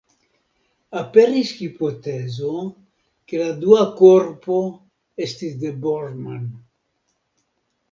Aperis hipotezo, ke la dua korpo estis de Bormann.